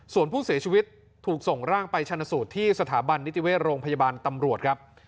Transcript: ส่วนผู้เสียชีวิตถูกส่งร่างไปชนะสูตรที่สถาบันนิติเวชโรงพยาบาลตำรวจครับ